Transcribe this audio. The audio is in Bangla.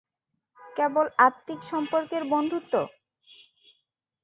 কেবল আত্মিক সম্পর্কের বন্ধুত্ব?